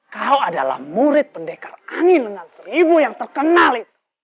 kau adalah murid pendekar angin dengan seribu yang terkenal itu